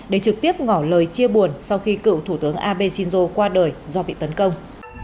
để trực tiếp ngỏ lời chia buồn sau khi cựu thủ tướng abe shinzo qua đời do bị tấn công